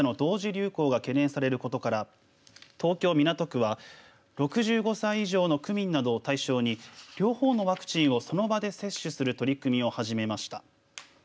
流行が懸念されることから東京、港区は６５歳以上の区民などを対象に両方のワクチンをその場で接種する取り組みを始めました。